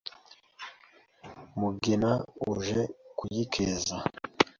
Mugina uje kuyikeza